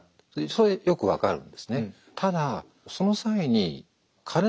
それよく分かるんですね。